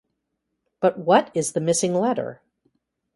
But what is the missing letter?